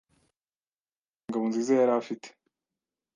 Nta kibi rwose Ngabonziza yari afite.